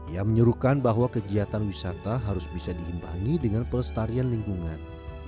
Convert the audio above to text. ia menyerukan bahwa kegiatan wisata harus bisa diimbangi dengan pelestarian lingkungan